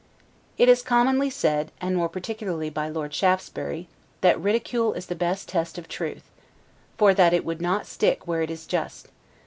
It is commonly said, and more particularly by Lord Shaftesbury, that ridicule is the best test of truth; for that it will not stick where it is not just.